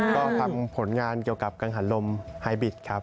ก็ทำผลงานเกี่ยวกับกังหันลมหายบิชย์ครับ